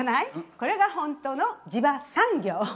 これが本当のジバ産業。